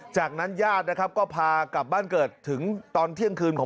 จากนั้นญาตินะครับก็พากลับบ้านเกิดถึงตอนเที่ยงคืนของ